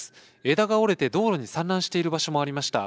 枝が折れて道路に散乱している場所もありました。